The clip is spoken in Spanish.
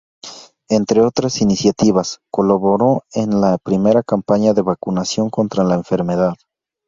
Entre otras iniciativas, colaboró en la primera campaña de vacunación contra la enfermedad.